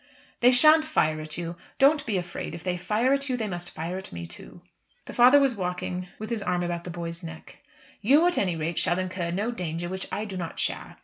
"They shan't fire at you. Don't be afraid. If they fire at you, they must fire at me too." The father was walking with his arm about the boy's neck. "You, at any rate, shall incur no danger which I do not share.